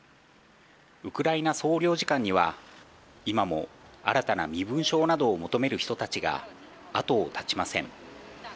ウクライナ総領事館には今も新たな身分証などを求める人たちが後を絶ちません。